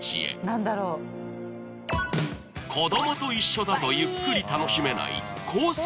子どもと一緒だとゆっくり楽しめないコース